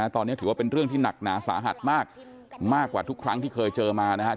ตอนนี้ถือว่าเป็นเรื่องที่หนักหนาสาหัสมากมากกว่าทุกครั้งที่เคยเจอมานะครับ